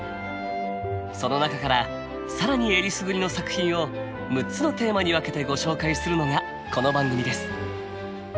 その中から更にえりすぐりの作品を６つのテーマに分けてご紹介するのがこの番組です。